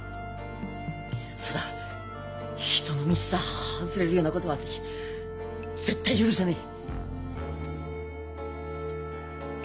そだ人の道さ外れるようなことは私絶対許さねえ！